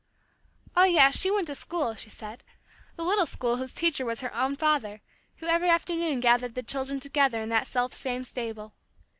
Oh, yes, she went to the school, she said the little school whose teacher was her own father who every afternoon gathered the children together in that self same stable.